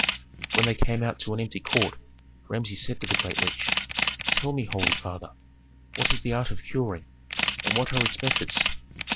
When they came out to an empty court, Rameses said to the great leech, "Tell me, holy father, what is the art of curing, and what are its methods.